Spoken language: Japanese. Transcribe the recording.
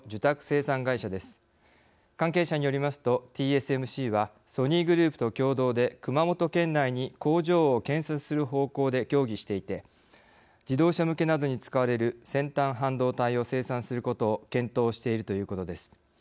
関係者によりますとＴＳＭＣはソニーグループと共同で熊本県内に工場を建設する方向で協議していて自動車向けなどに使われる先端半導体を生産することを検討しているということです。